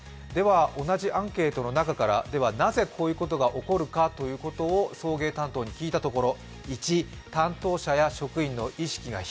同じアンケートの中からなぜこういうことが起こるかということを送迎担当に聞いたところ